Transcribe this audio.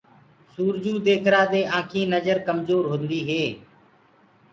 سورجو ديکرآ دي آنٚکينٚ نجر تيج هونٚدي هي